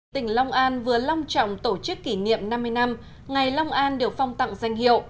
tỉnh long an vừa long trọng tổ chức kỷ niệm năm mươi năm ngày long an được phong tặng danh hiệu